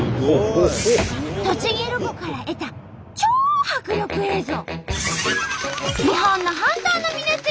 栃木ロコから得た超迫力映像！